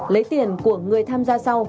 lấy tiền của người tham gia sau